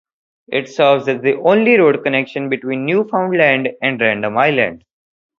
It serves as the only road connection between Newfoundland and Random Island.